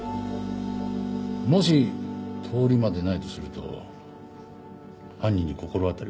もし通り魔でないとすると犯人に心当たりは？